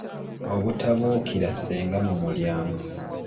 Obutabuukira ssenga mu mulyango.